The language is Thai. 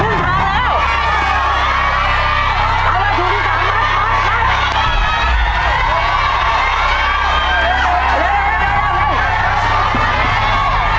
เอามาถูกที่สามมากมากมาก